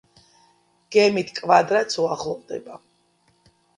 გეგმით კვადრატს უახლოვდება.